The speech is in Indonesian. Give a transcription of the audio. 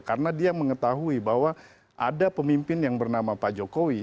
karena dia mengetahui bahwa ada pemimpin yang bernama pak jokowi